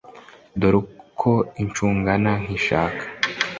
Dore ko ishungana nkishaka